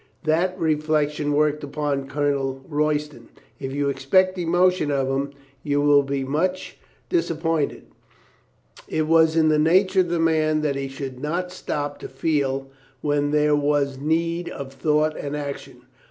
That reflection worked upon Colonel Royston. If you expect emotion of him, you will be much 392 COLONEL GREATHEART " disappointed. It was in the nature of the man that he should not stop to feel when there was need of thought and action.